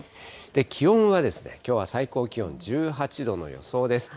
気温はきょうは最高気温１８度の予想です。